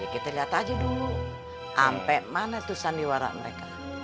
kita lihat aja dulu sampai mana tuh sandiwara mereka